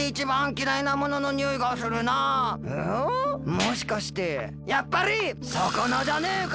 もしかしてやっぱりさかなじゃねえか！